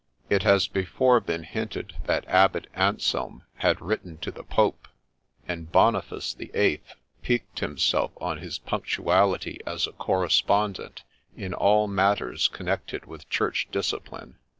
It has before been hinted that Abbot Anselm had written to the Pope, and Boniface the Eighth piqued himself on his punctuality as a corre spondent in all matters connected with church discipline.